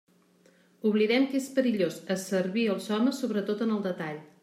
Oblidem que és perillós asservir els homes sobretot en el detall.